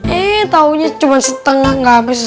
eh taunya cuma setengah gak habis